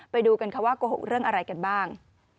ไปดูกันค่ะว่าโกหกเรื่องอะไรกันบ้าง